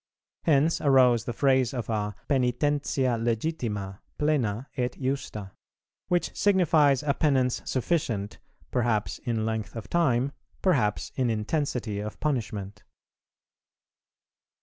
Hence arose the phrase of a "pœnitentia legitima, plena, et justa;" which signifies a penance sufficient, perhaps in length of time, perhaps in intensity of punishment.